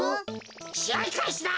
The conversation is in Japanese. しあいかいしだ。